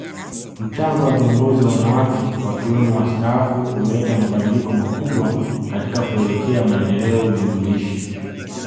Mchango wa viongozi wanawake wakiwemo wastaafu umeleta mabadiliko makubwa katika kuelekea maendeleo jumuishi